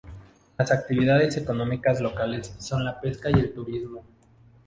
Las actividades económicas locales son la pesca y el turismo.